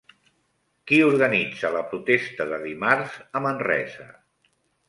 Qui organitza la protesta de dimarts a Manresa?